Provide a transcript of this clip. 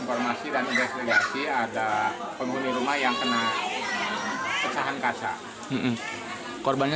belum ada tindakannya ini sebetulnya